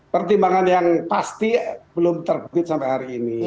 pertimbangan yang pasti belum terbit sampai hari ini